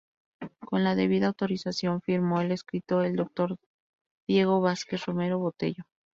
Con la debida autorización firmó el escrito el Doctor D. Diego Vázquez Romero Botello.